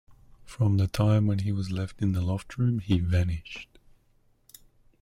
From the time when he was left in the loft-room, he vanished.